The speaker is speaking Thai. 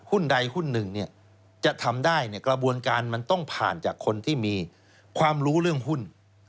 ใดหุ้นหนึ่งจะทำได้กระบวนการมันต้องผ่านจากคนที่มีความรู้เรื่องหุ้น